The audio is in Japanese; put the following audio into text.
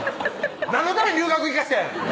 何のために留学行かせてん！